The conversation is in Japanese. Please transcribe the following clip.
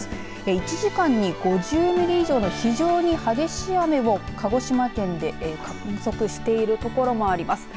１時間に５０ミリ以上の非常に激しい雨を鹿児島県で観測している所もあります。